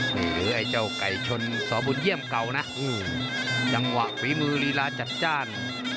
หรือไอ้เจ้าไก่ชนสบุญเยี่ยมเก่านะจังหวะฝีมือลีลาจัดจ้าน